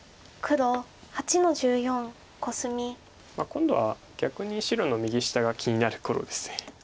今度は逆に白の右下が気になる頃です。